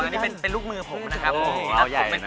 อ๋อนี่เป็นลูกมือผมนะครับผมเป็นคนต้นคิดว่า